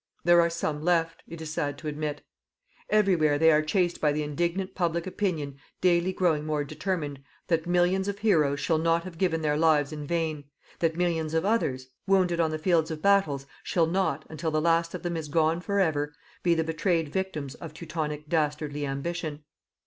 There are some left, it is sad to admit. Everywhere they are chased by the indignant public opinion daily growing more determined that millions of heroes shall not have given their lives in vain, that millions of others, wounded on the fields of battles, shall not, until the last of them is gone for ever, be the betrayed victims of Teutonic dastardly ambition.